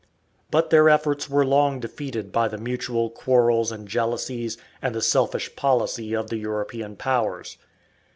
But their efforts were long defeated by the mutual quarrels and jealousies and the selfish policy of the European powers.